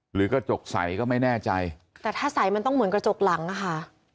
หรือกระจกใสก็ไม่แน่ใจแต่ถ้าใสมันต้องเหมือนกระจกหลังอะค่ะ